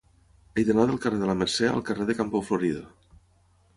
He d'anar del carrer de la Mercè al carrer de Campo Florido.